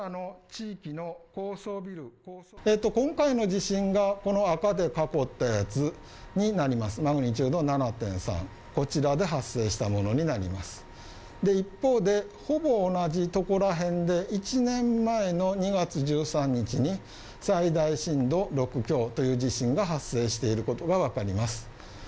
今回の地震がこの赤で囲ったやつになりますマグニチュード７．３、こちらで発生したものになります一方で、ほぼ同じとこら辺で、１年前の２月１３日に最大震度６強という地震が発生していることがわかります。